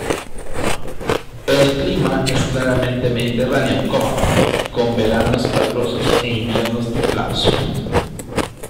El clima es claramente mediterráneo, con veranos calurosos e inviernos templados.